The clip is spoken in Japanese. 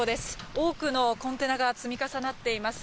多くのコンテナが積み重なっています。